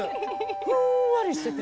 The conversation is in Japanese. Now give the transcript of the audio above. ふんわりしてて。